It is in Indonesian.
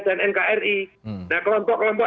dan nkri nah kelompok kelompok